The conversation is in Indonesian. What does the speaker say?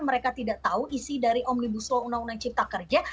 mereka tidak tahu isi dari omnibus law undang undang cipta kerja